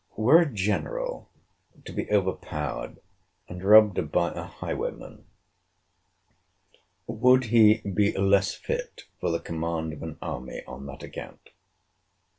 Were a general to be overpowered, and robbed by a highwayman, would he be less fit for the command of an army on that account?